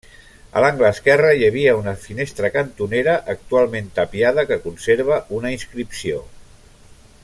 A l'angle esquerre hi havia una finestra cantonera, actualment tapiada, que conserva una inscripció.